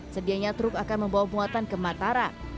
sedianya truk akan membawa muatan ke mataram